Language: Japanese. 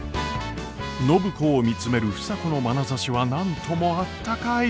暢子を見つめる房子のまなざしは何ともあったかい。